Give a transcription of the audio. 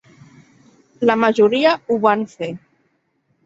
La majoria ho van fer.